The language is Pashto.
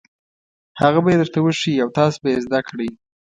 هغه به یې درته وښيي او تاسو به یې زده کړئ.